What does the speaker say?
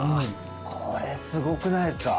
これすごくないっすか？